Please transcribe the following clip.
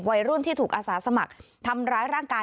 วัยรุ่นที่ถูกอาสาสมัครทำร้ายร่างกาย